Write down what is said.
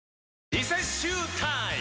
リセッシュータイム！